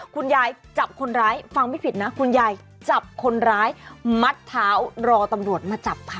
คุณยายจับคนร้ายฟังไม่ผิดนะคุณยายจับคนร้ายมัดเท้ารอตำรวจมาจับค่ะ